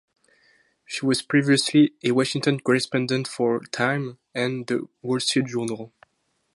She was previously a Washington correspondent for "Time" and "The Wall Street Journal".